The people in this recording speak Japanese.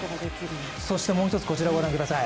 もう一つ、こちらをご覧ください。